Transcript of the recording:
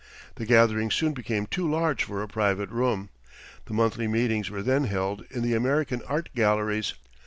The gatherings soon became too large for a private room. The monthly meetings were then held in the American Art Galleries.